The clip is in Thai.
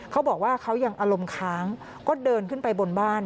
เขาบอกว่าเขายังอารมณ์ค้างก็เดินขึ้นไปบนบ้าน